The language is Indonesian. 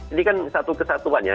ini kan satu kesatuan ya